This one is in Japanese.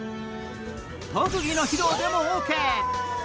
特技の披露でもオーケー。